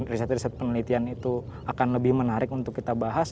riset riset penelitian itu akan lebih menarik untuk kita bahas